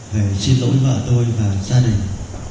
về xin lỗi vợ tôi và gia đình